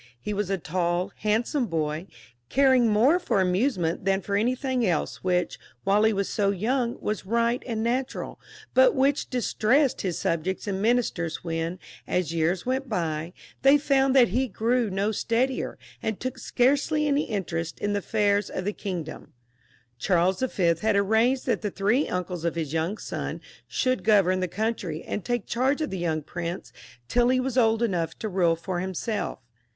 He was a tail, handsome boy, caring more for amusement than for anything else, which, whfle he was so young, was right and natural, but which distressed his subjects and ministers when, as years went by, they found that he grew no steadier, and took scarcely any interest in the affairs of the kindom. Charles Y. had arranged that the three uncles of his young son should govern the country, and take charge of the young prince till he was old enough to rule for him self.